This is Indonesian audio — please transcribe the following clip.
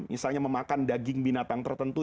misalnya memakan daging binatang tertentu